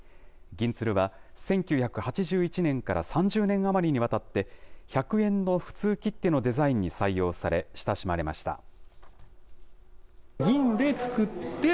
銀鶴は、１９８１年から３０年余りにわたって、１００円の普通切手のデザインに採用され、親しまれました。